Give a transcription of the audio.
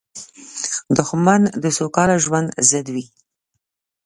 دښمن د سوکاله ژوند ضد وي